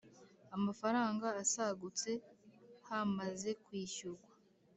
Amafaranga asagutse hamaze kwishyurwa